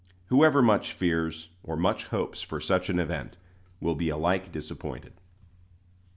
Whoever much fears, or much hopes, for such an event, will be alike disappointed.